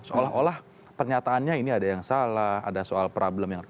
seolah olah pernyataannya ini ada yang salah ada soal problem yang